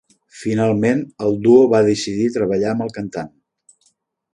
Finalment, el duo va decidir treballar amb el cantant.